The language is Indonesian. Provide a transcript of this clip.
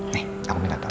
nih aku minta tolong